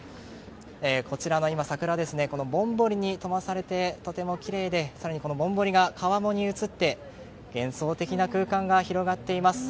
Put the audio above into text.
こちらの桜ぼんぼりにともされてとてもきれいで更にぼんぼりが川面に映って幻想的な空間が広がっています。